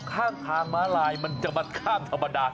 ข้างทางม้าลายมันจะมาข้ามธรรมดา